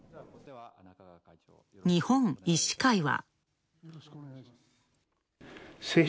日本医師会は。